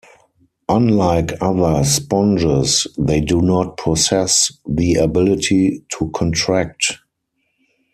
Unlike other sponges, they do not possess the ability to contract.